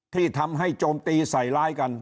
ที่ทำให้โจมตีใส่ร้ายกัน